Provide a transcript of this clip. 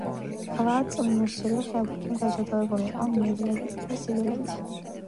ღვაწლმოსილი ხელოვანი დაჯილდოვებული იყო მედლებით და სიგელებით.